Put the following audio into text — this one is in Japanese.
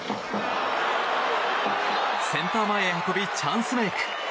センター前へ運びチャンスメイク。